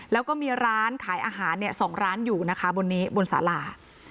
แล้วก็มีร้านขายอาหาร๒ร้านอยู่นะคะบนนี้บนสารา